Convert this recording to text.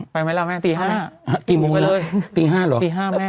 ไปไหมล่ะแม่ตี๕กี่โมงไปเลยตี๕เหรอตี๕แม่